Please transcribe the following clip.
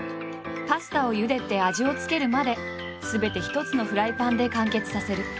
パスタをゆでて味を付けるまですべて一つのフライパンで完結させる。